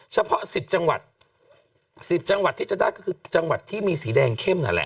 เฉพาะ๑๐จังหวัด๑๐จังหวัดที่จะได้ก็คือจังหวัดที่มีสีแดงเข้มนั่นแหละ